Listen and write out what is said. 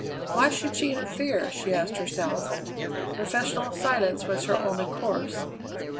Why should she interfere, she asked herself. Professional silence was her only course.